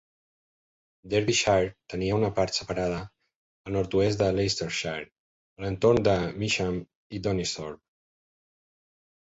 Derbyshire tenia una part separada al nord-oest de Leicestershire, a l'entorn de Measham i Donisthorpe.